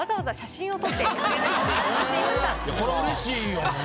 これうれしいよね。